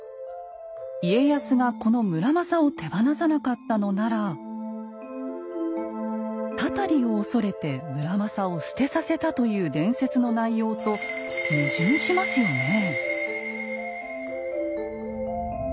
家康がこの村正を手放さなかったのなら祟りを恐れて村正を棄てさせたという伝説の内容と矛盾しますよね。